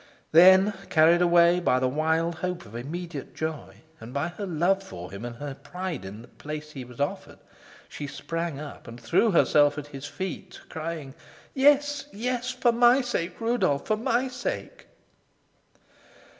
Then, carried away by the wild hope of immediate joy, and by her love for him and her pride in the place he was offered, she sprang up and threw herself at his feet, crying: "Yes, yes! For my sake, Rudolf for my sake!"